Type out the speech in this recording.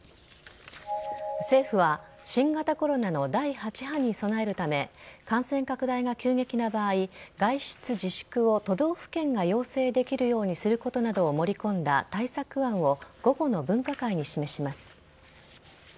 政府は新型コロナの第８波に備えるため感染拡大が急激な場合外出自粛を都道府県が要請できるようにすることなどを盛り込んだ対策案を午後の分科会に示します。